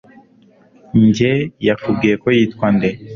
Njye yakubwiye ko yitwa nde